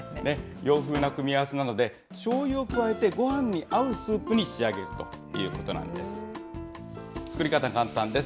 洋風な組み合わせなので、しょうゆを加えてごはんに合うスープに仕上げるということなんです。